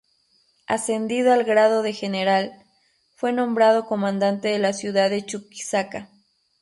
Ascendido al grado de general, fue nombrado comandante de la ciudad de Chuquisaca.